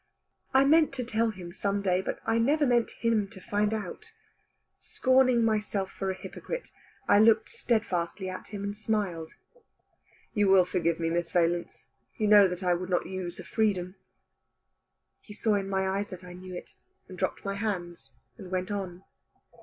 I meant to tell him some day, but I never meant him to find out. Scorning myself for a hypocrite, I looked stedfastly at him and smiled. "You will forgive me, Miss Valence, you know that I would not use a freedom." He saw in my eyes that I knew it, and dropped my hands, and went on.